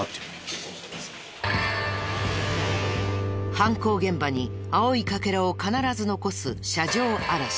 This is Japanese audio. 犯行現場に青い欠片を必ず残す車上荒らし。